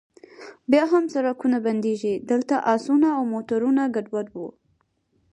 بیا هم سړکونه بندیږي، دلته اسونه او موټرونه ګډوډ و.